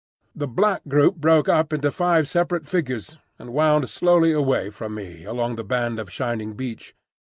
'" The black group broke up into five separate figures, and wound slowly away from me along the band of shining beach.